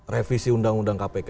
revisi undang undang kpk